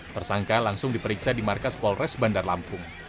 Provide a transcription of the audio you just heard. tersangka langsung diperiksa di markas polres bandar lampung